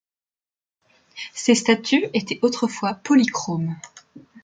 Ces statues étaient autrefois polychromes.